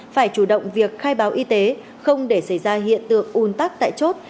phải chủ động việc khai báo y tế không để xảy ra hiện tượng ùn tắc tại chốt